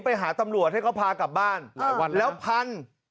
ไปหาตำรวจให้เขาพากลับบ้านแล้วพัน